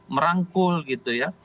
merangkul gitu ya